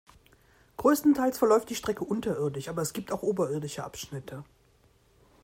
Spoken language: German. Größtenteils verläuft die Strecke unterirdisch, aber es gibt auch oberirdische Abschnitte.